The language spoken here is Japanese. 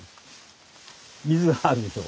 水があるでしょう。